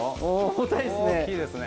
重たいですね。